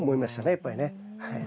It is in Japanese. やっぱりね。